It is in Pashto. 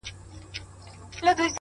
• محتسب مو پر منبر باندي امام سو ,